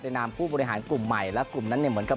นามผู้บริหารกลุ่มใหม่และกลุ่มนั้นเนี่ยเหมือนกับ